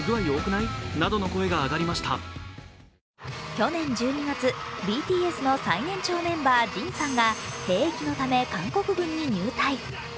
去年１２月ＢＴＳの最年長メンバー・ＪＩＮさんが兵役のため韓国軍に入隊。